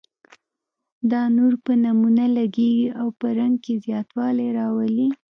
دا نور په نمونه لګیږي او په رنګ کې زیاتوالی راولي.